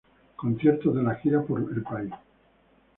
Conciertos de la gira por país